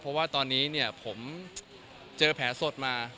เพราะว่าตอนนี้เนี่ยผมเจอแผลสดมา